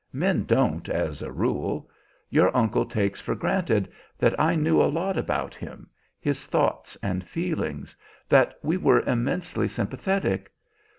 Men don't, as a rule. Your uncle takes for granted that I knew a lot about him, his thoughts and feelings; that we were immensely sympathetic.